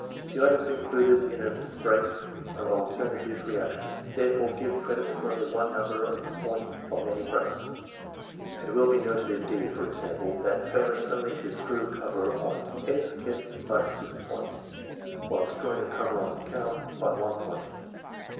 The items included in a brace are alternative reactions, therefore give credit of only one number of points from any brace. It will be noted in D, for example, that, failing only to screw cover on, S. gets but 6 points, while screwing the cover on coimts but 1 point.